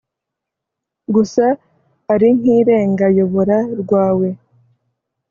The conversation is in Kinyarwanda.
gusa ari nk irengayobora rwawe